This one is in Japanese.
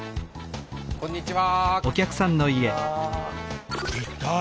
こんにちは。